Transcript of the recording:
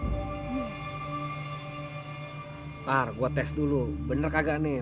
ntar gua tes dulu bener kagak nih